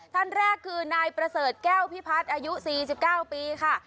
ท่านแรกคือนายประเสริฐแก้วพิพัฒน์อายุ๔๙ปีค่ะ